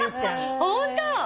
ホント！